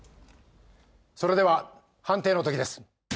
それでは判定の刻です。